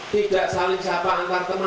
tidak saling sapa antar teman